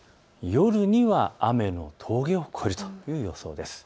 夜には雨の峠を越えるという予想です。